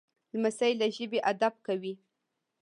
لمسی له ژبې ادب کوي.